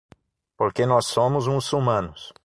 Porque nós somos muçulmanos.